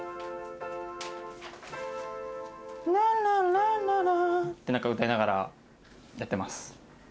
ラララララって何か歌いながらやってます。